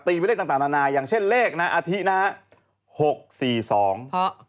ตีนไปเลขต่างนานาอย่างเช่นเลขนะอาทินะฮะ